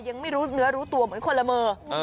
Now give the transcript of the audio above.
ยังไม่รู้เนื้อรู้ตัวเหมือนคนละมือ